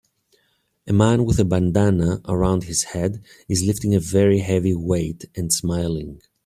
A man with a bandanna around his head is lifting a very heavy weight and smiling.